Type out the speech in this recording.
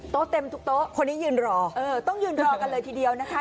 เต็มทุกโต๊ะคนนี้ยืนรอเออต้องยืนรอกันเลยทีเดียวนะคะ